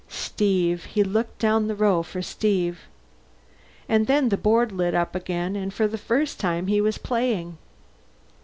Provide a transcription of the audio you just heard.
Steve. He looked down the row for Steve. And then the board lit up again, and for the first time he was playing.